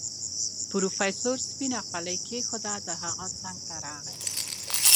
پروفيسر سپينه خولۍ کېښوده د هغه څنګ ته راغی.